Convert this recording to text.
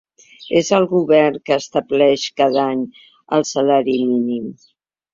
És el govern que estableix cada any el salari mínim.